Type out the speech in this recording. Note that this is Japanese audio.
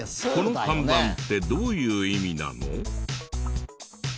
この看板ってどういう意味なの？